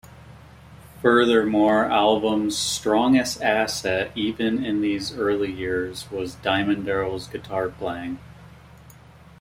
Furthermore, album's "strongest asset" even in these early years was Diamond Darrell's guitar playing.